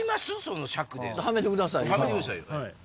はめてください。